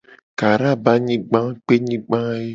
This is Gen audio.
Kara be anyigba a kpenyigba ye.